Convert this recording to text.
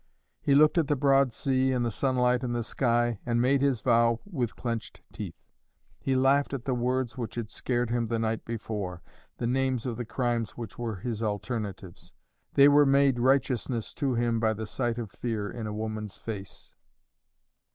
He looked at the broad sea and the sunlight and the sky, and made his vow with clenched teeth. He laughed at the words which had scared him the night before the names of the crimes which were his alternatives; they were made righteousness to him by the sight of fear in a woman's face.